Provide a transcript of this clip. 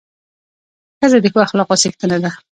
ښځه د ښو اخلاقو څښتنه ده.